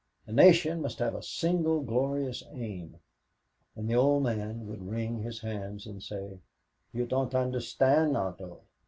"A nation must have a single, glorious aim." And the old man would wring his hands and say, "You don't understand, Otto."